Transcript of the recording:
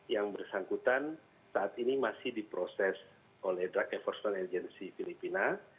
yang bersangkutan saat ini masih diproses oleh drug enforcement agency filipina